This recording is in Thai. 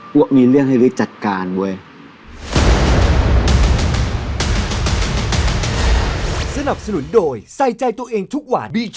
พวกมีเรื่องให้เรียกจัดการเว้ย